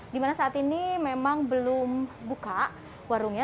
di mana saat ini memang belum buka warungnya